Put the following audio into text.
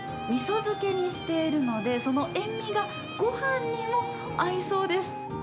みそ漬けにしているので、その塩味がごはんにも合いそうです。